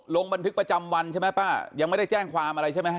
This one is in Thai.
ลงบันทึกประจำวันใช่ไหมป้ายังไม่ได้แจ้งความอะไรใช่ไหม